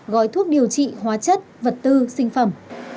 gói thuốc điều trị hóa chất vật tư sinh phẩm